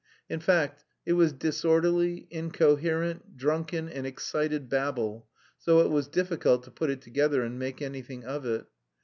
In fact it was disorderly, incoherent, drunken and excited babble, so it was difficult to put it together and make anything of it.